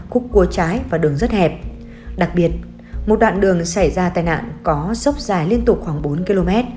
khúc cua trái và đường rất hẹp đặc biệt một đoạn đường xảy ra tai nạn có dốc dài liên tục khoảng bốn km